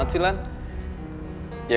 maem aktif ya